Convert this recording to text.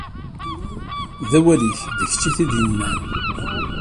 D awal-ik, d kečč i t-id-yennan.